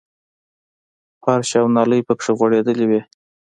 فرش او نالۍ پکې غړېدلې وې.